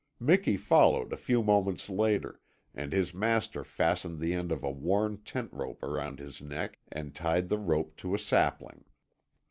Miki followed a few moments later, and his master fastened the end of a worn tent rope around his neck and tied the rope to a sapling.